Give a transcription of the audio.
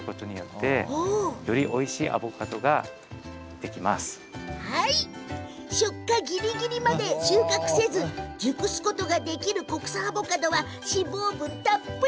出荷ぎりぎりまで収穫せず熟すことができる国産アボカドは、脂肪分たっぷり。